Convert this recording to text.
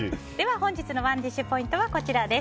本日のＯｎｅＤｉｓｈポイントはこちらです。